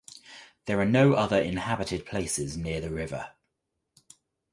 There are no other inhabited places near the river.